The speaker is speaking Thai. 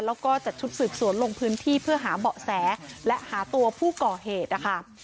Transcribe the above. แล้วก็จัดชุดสืบสวนลงพื้นที่เพื่อหาเบาะแสและหาตัวผู้ก่อเหตุนะคะ